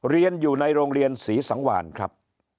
เรียนอยู่ในโรงเรียนศรีสังวานครับ